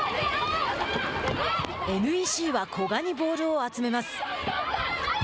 ＮＥＣは古賀にボールを集めます。